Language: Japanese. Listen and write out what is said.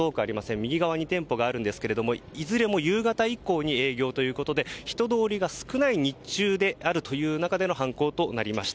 右側に店舗がありますがいずれも夕方以降に影響ということで人通りが少ない日中の中での犯行となりました。